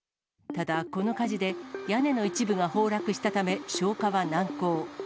ただ、この火事で、屋根の一部が崩落したため、消火は難航。